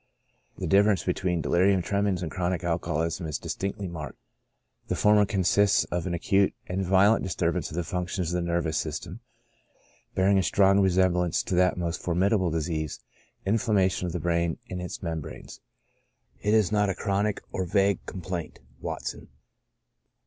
The difference between delirium tremens and chronic al coholism is distinctly marked : the former consists of an acute and violent disturbance of the functions of the nervous system, bearing a strong resemblance to that most formidable disease, inflammation of the brain and its membranes ; it is not a chronic or vague complaint (Watson).